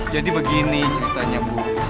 jadi begini ceritanya bu